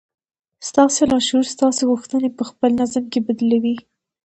ستاسې لاشعور ستاسې غوښتنې په خپل نظام کې بدلوي.